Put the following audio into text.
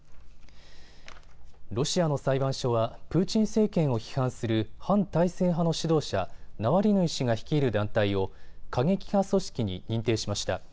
ロシアの裁判所はプーチン政権を批判する反体制派の指導者、ナワリヌイ氏が率いる団体を過激派組織に認定しました。